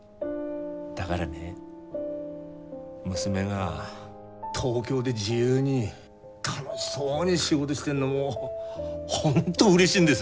だがらね娘が東京で自由に楽しそうに仕事してんのもう本当うれしいんです。